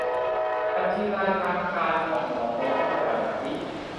บัญชีไลน์ทางการของ หมอพร้อม หน้าตาแบบนี้